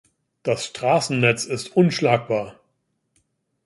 Das Straßennetz ist unschlagbar.